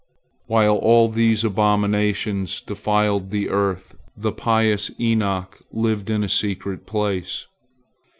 While all these abominations defiled the earth, the pious Enoch lived in a secret place.